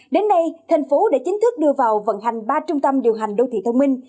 đến nay thành phố đã chính thức đưa vào vận hành ba trung tâm điều hành đô thị thông minh